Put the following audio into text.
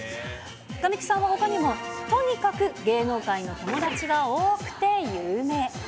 神木さんはほかにもとにかく芸能界の友達が多くて有名。